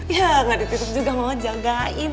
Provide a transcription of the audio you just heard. ya nggak ditutup juga mau jagain